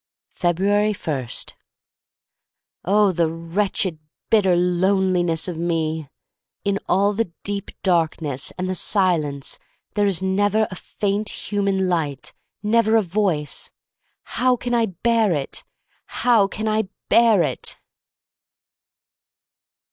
f ebtuari? h OH, THE wretched bitter loneli ness of me! In all the deep darkness, and the silence, there is never a faint human light, never a voice! How can I bear it' — how can I bear it!